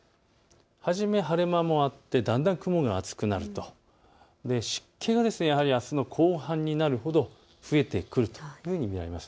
初め、晴れ間もあってだんだん雲が厚くなると湿気があすの後半になるほど増えてくるというふうに見られます。